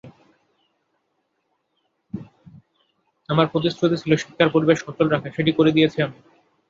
আমার প্রতিশ্রুতি ছিল শিক্ষার পরিবেশ সচল রাখা, সেটি করে দিয়েছি আমি।